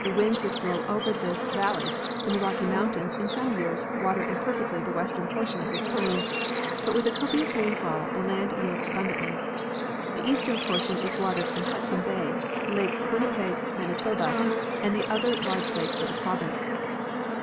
The winds which blow over this valley from the Rocky moun tains in some years water imperfectly the western portion o f this plain, but with a copious rainfall the land yields abundantly ; the eastern portion is watered from Hudson bay, lakes Winnipeg, Manitoba and the other large lakes of that province.